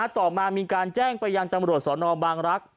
ต่อมามีการแจ้งไปยังตำรวจสนบางรักษ